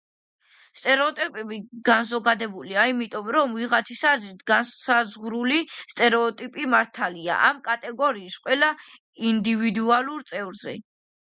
სტერეოტიპები განზოგადებულია იმიტომ რომ, ვიღაცის აზრით, განსაზღვრული სტერეოტიპი, მართალია ამ კატეგორიის ყველა ინდივიდუალურ წევრზე.